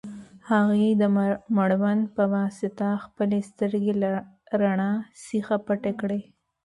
هغې د مړوند په واسطه خپلې سترګې له رڼا څخه پټې کړې.